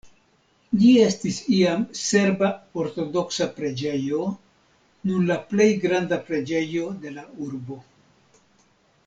Ĝi estis iam serba ortodoksa preĝejo, nun la plej granda preĝejo de la urbo.